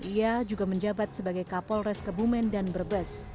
ia juga menjabat sebagai kapolres kebumen dan brebes